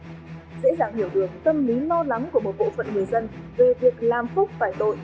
về việc làm phúc phải tội